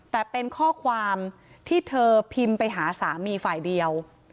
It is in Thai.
แต่เป็นข้อความที่เธอพิมพ์ไปหาสามีฝ่ายเดียว